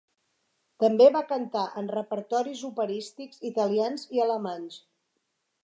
També va cantar en repertoris operístics italians i alemanys.